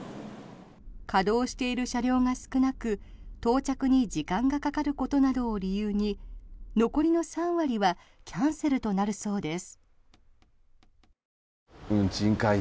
稼働している車両が少なく到着に時間がかかることなどを理由に残りの３割はキャンセルとなるそうです。